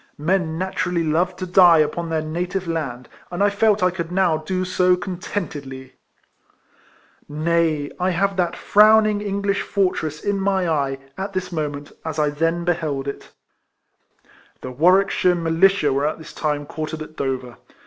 Men naturally love to die upon their native land, and I felt I could now do so contentedly ! Nay, I have that frowning English fortress in ni}'' eye, at this moment, as I then beheld it. The AVarwickshire Militia were at this time quartered at Dover.